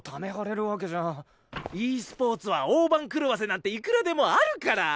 ｅスポーツは大番狂わせなんていくらでもあるから！